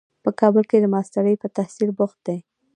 په کابل کې د ماسټرۍ په تحصیل بوخت دی.